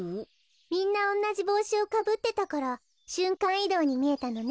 みんなおんなじぼうしをかぶってたからしゅんかんいどうにみえたのね。